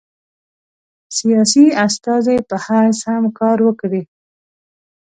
سیاسي استازي په حیث هم کار وکړي.